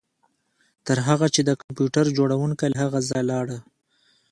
تر هغه چې د کمپیوټر جوړونکی له هغه ځایه لاړ